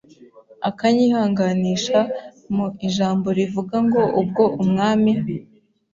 akanyihanganisha mu ijambo rivuga ngo ubwo umwami